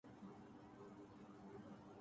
متحدہ عرب امارات کی جانب سے منجولا گوروگے